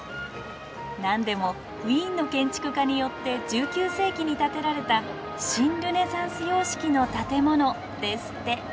何でもウィーンの建築家によって１９世紀に建てられた新ルネサンス様式の建物ですって。